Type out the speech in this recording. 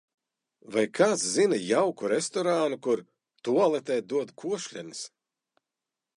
Vai kāds zina jauku restorānu kur, tualetē dod košļenes?